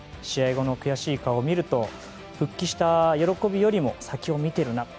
試合後の悔しい顔を見ると復帰した喜びよりも先を見ているな